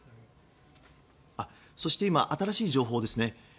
そして今、新しい情報です。